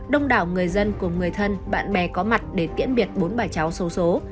đông đảo người dân cùng người thân bạn bè có mặt để tiễn biệt bốn bà cháu sâu số